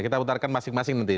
kita putarkan masing masing nanti